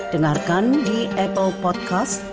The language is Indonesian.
dengarkan di apple podcast